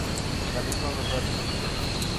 La misma no fue admitida.